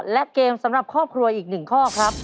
และเกมสำหรับครอบครัวอีก๑ข้อครับ